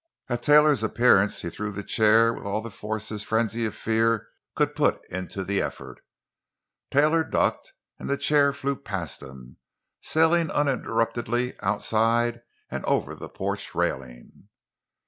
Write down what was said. At Taylor's appearance he threw the chair with all the force his frenzy of fear could put into the effort. Taylor ducked, and the chair flew past him, sailing uninterruptedly outside and over the porch railing.